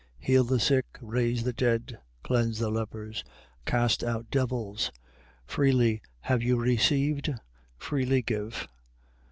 10:8. Heal the sick, raise the dead, cleanse the lepers, cast out devils: freely have you received, freely give.